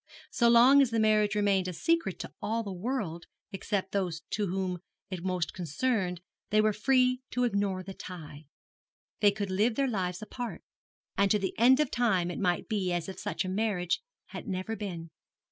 So long as the marriage remained a secret to all the world except those two whom it most concerned they were free to ignore the tie. They could live their lives apart; and to the end of time it might be as if such a marriage had never been.